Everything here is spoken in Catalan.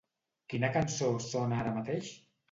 Quina cançó sona ara mateix?